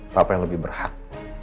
papa yang lebih berhak